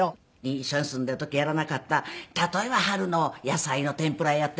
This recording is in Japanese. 一緒に住んでいる時やらなかった例えば春の野菜の天ぷらやってみたりね。